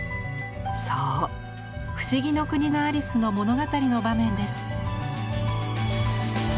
そう「不思議の国のアリス」の物語の場面です。